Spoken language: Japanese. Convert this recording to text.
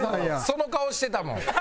その顔してたもん。